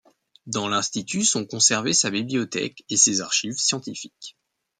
Dans l'Institut sont conservées sa bibliothèque et ses archives scientifiques.